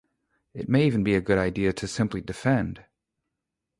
It may even be a good idea to simply defend.